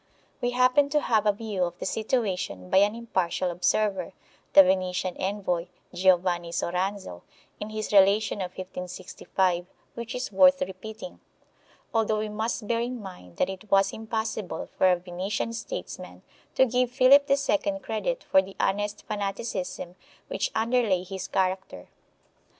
We happen to have a view of the situation by an impartial observer, the Venetian envoy, Giovanni Soranzo, in his relation of 1565, which is worth repeating, although we must bear in mind that it was impossible for a Venetian statesman to give Philip II credit for the honest fanaticism which underlay his character.